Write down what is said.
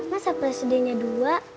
masa presidennya dua